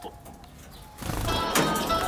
چې څو کڼو یې جنازه کې